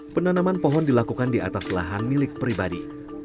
penanaman pohon dilakukan di atas lahan milik pribadi